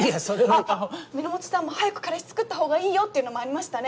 あっ「皆本さんも早く彼氏つくった方がいいよ」っていうのもありましたね。